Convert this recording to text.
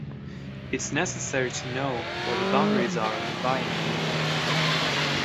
It's necessary to know where the boundaries are when buying a new home.